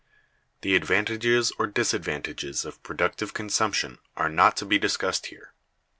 The advantages or disadvantages of productive consumption are not to be discussed here.